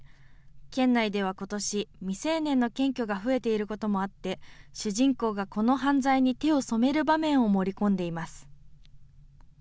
県内ではことし未成年の検挙が増えていることもあって、主人公がこの犯罪に手を染める場面を盛り込んでいます。